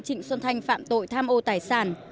trịnh xuân thành phạm tội tham ô tài sản